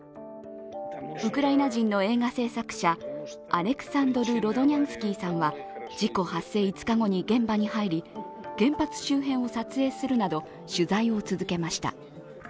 ウクライナ人の映画制作者、アレクサンドル・ロドニャンスキーさんは事故発生５日後に現場に入り、原発周辺を撮影するなど取材を続けました。